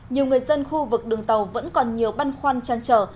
nhiều người dân khu vực đường tàu vẫn còn nhiều băn khoăn chăn trở